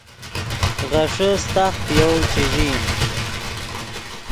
غیݰے ستاخ پے یَؤ چے ژئیم